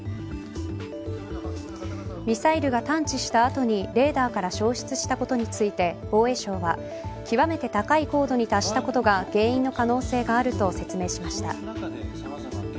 ミサイルが探知した後にレーダーから消失したことについて防衛省は、極めて高い高度に達したことが原因の可能性があると説明しました。